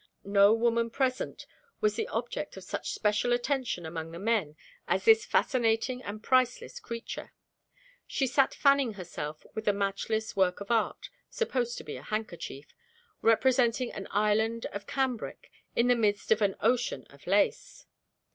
No woman present was the object of such special attention among the men as this fascinating and priceless creature. She sat fanning herself with a matchless work of art (supposed to be a handkerchief) representing an island of cambric in the midst of an ocean of lace.